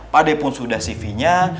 pak ade pun sudah cv nya